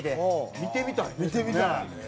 見てみたい！